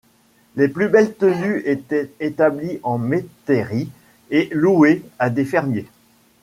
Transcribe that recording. Les plus belles tenues étaient établies en métairies et louées à des fermiers.